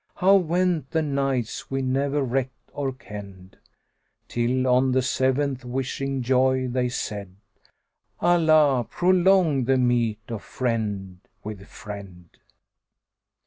* How went the nights we never reckt or kenned; Till, on the seventh wishing joy they said, * 'Allah prolong the meet of friend with friend!'"